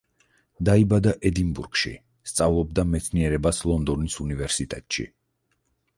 დაიბადა ედინბურგში, სწავლობდა მეცნიერებას ლონდონის უნივერსიტეტში.